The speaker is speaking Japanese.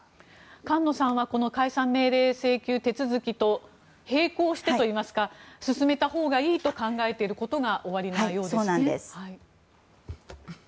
菅野さんは解散命令請求手続きと並行してといいますか進めたほうがいいと考えていることがおありなようですね。